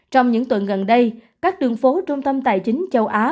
trong những tuần gần đây các đường phố trung tâm tài chính châu á